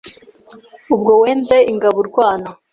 Ubwo wenze Ingabo urwana